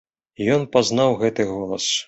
Ён пазнаў гэты голас.